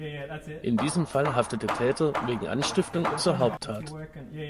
In diesem Fall haftet der Täter wegen Anstiftung zur Haupttat.